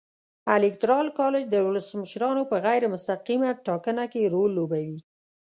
الېکترال کالج د ولسمشرانو په غیر مستقیمه ټاکنه کې رول لوبوي.